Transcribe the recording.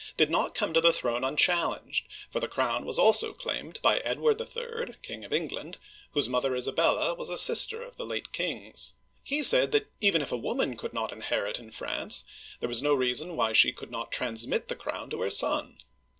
did not come to the throne unchallenged, for the crown was also claimed by Edward III., King of England, whose mother, Isabella, was a sister of the late 'kings. He said that even if a woman could not inherit in France, there was no reason why she could not transmit the crown to her son.